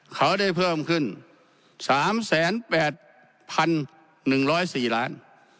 เขาได้เพิ่มขึ้น๓๘๑๐๔ล้าน